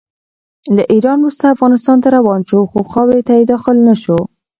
له ایران وروسته افغانستان ته روان شو، خو خاورې ته یې داخل نه شو.